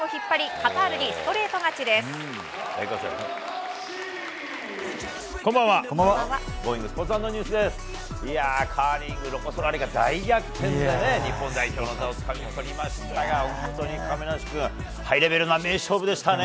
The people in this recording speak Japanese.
カーリング、ロコ・ソラーレが大逆転で日本代表の座をつかみ取りましたが本当に亀梨君ハイレベルな名勝負でしたね。